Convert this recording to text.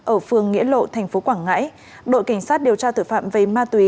ở phường nghĩa lộ thành phố quảng ngãi đội cảnh sát điều tra thực phạm về ma túy